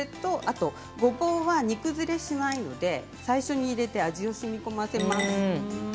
ごぼうは煮崩れしないので最初に入れて味をしみこませます。